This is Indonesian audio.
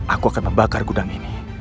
aku akan membakar gudang ini